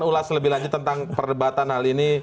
ulas lebih lanjut tentang perdebatan hal ini